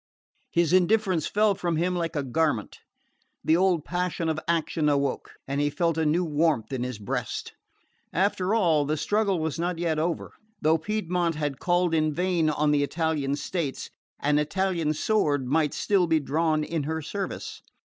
His indifference fell from him like a garment. The old passion of action awoke and he felt a new warmth in his breast. After all, the struggle was not yet over: though Piedmont had called in vain on the Italian states, an Italian sword might still be drawn in her service.